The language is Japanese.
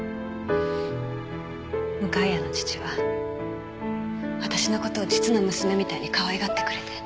向谷の父は私の事を実の娘みたいにかわいがってくれて。